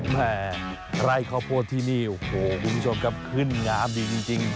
แม่ไร่ข้าวโพดที่นี่โอ้โหคุณผู้ชมครับขึ้นงามดีจริง